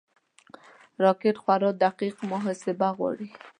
راکټ خورا دقیق محاسبه غواړي